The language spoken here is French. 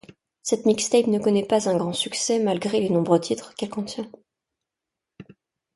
Cette mixtape ne connait pas un grand succès malgré les nombreux titres qu'elle contient.